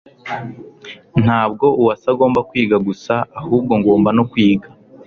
Ntabwo Uwase agomba kwiga gusa ahubwo ngomba no kwiga